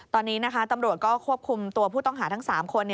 ตอนนี้นะคะตำรวจก็ควบคุมตัวผู้ต้องหาทั้ง๓คน